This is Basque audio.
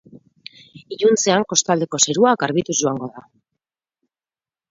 Iluntzean kostaldeko zerua garbituz joango da.